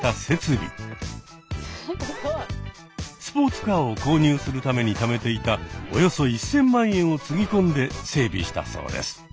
スポーツカーを購入するためにためていたおよそ１，０００万円をつぎ込んで整備したそうです。